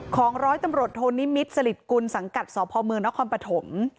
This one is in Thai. ของร้อยตำรวจโทนิมิตรสลิดกุลสังกัดสพเมืองนครปฐม